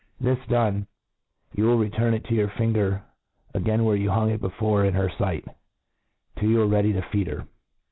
, This done, you will return it to your finger again where .it hang before in her fight, till you are to feed her.